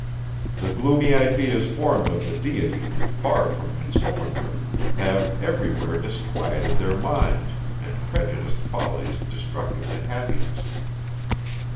The gloomy ideas formed of the deity, far from consoling them, have every where disquieted their minds, and prejudiced follies destructive to happiness.